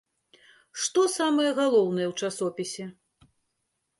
Што самае галоўнае ў часопісе?